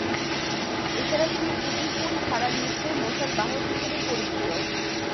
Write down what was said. এছাড়া তিনি কুচিপুড়ি ধারার নৃত্যের 'মশাল বাহক' হিসেবে পরিচিত।